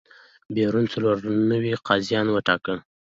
پېرون څلور نوي قاضیان وټاکل.